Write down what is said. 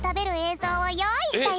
ぞうをよういしたよ。